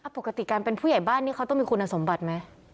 ปกติการเป็นผู้ใหญ่บ้านนี่เขาต้องมีคุณสมบัติไหม